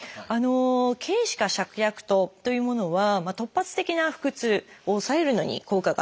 「桂枝加芍薬湯」というものは突発的な腹痛を抑えるのに効果があると。